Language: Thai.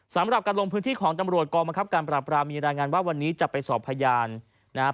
สำหรับการลงพื้นที่ของตำรวจกองบังคับการปราบรามมีรายงานว่าวันนี้จะไปสอบพยานนะครับ